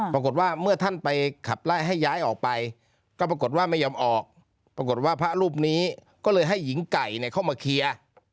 เมื่อท่านไปขับไล่ให้ย้ายออกไปก็ปรากฏว่าไม่ยอมออกปรากฏว่าพระรูปนี้ก็เลยให้หญิงไก่เข้ามาเคลียร์